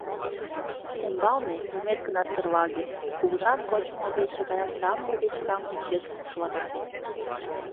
Ӱстембалне, юмет гына серлаге, кугыжан кочмо обедше гаяк тамле деч тамле чес пушлана.